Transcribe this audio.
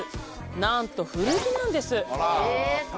なんと古着なんです！